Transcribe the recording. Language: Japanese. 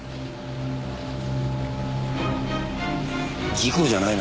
事故じゃないな。